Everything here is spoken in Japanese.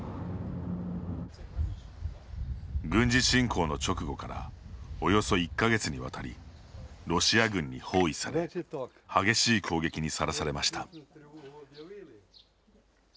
軍事侵攻の直後からおよそ１か月にわたりロシア軍に包囲され激しい攻撃にさらされました。